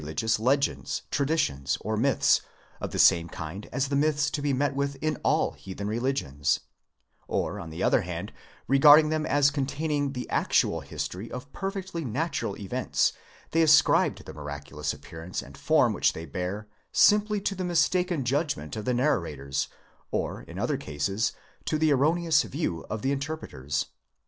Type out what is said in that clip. ix: gious legends, traditions, or "myths," of the same kind as the myths to be met with in all heathen religions ; or, on the other hand, regarding them as containing the actual history of perfectly natural events, they ascribed the miraculous appearance and form which they bear simply to the mistaken judgment of the narrators, or, in other cases, to the erroneous view of the interpreters.